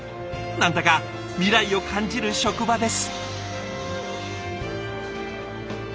何だか未来を感じる職場です。